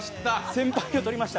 先輩を取りました。